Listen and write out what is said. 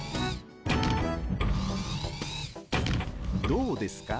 どうですか？